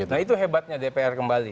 nah itu hebatnya dpr kembali